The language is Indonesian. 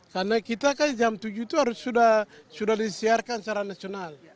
karena kita kan jam tujuh itu harus sudah disiarkan secara nasional